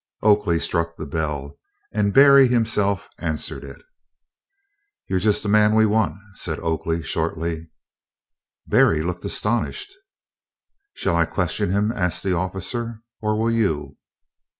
Oakley struck the bell, and Berry himself answered it. "You 're just the man we want," said Oakley, shortly. Berry looked astonished. "Shall I question him," asked the officer, "or will you?"